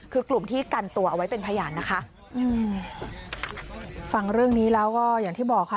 คือกลุ่มที่กันตัวเอาไว้เป็นพยานนะคะอืมฟังเรื่องนี้แล้วก็อย่างที่บอกค่ะ